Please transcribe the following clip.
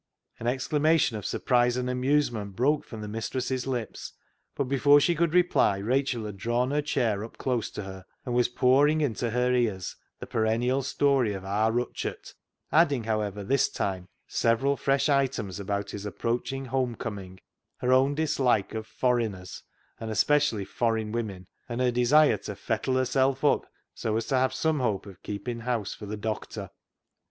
An exclamation of surprise and amusement broke from the mistress's lips, but before she could reply Rachel had drawn her chair up close to her, and was pouring into her ears the per ennial story of " aar Rutchart," adding, how ever, this time, several fresh items about his approaching home coming, her own dislike of " forriners," and especially " forrin " women, and her desire to " fettle " herself up, so as to have some hope of keeping house for the doctor.